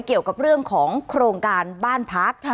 เกี่ยวกับเรื่องของโครงการบ้านพัก